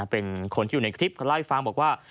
เป็นคนที่อยู่ในคลิปเขาเล่าให้ฟังบอกว่า